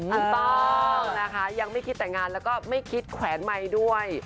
ถูกต้องนะคะยังไม่คิดแต่งงานแล้วก็ไม่คิดแขวนไมค์ด้วย